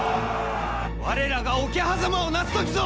我らが桶狭間をなす時ぞ！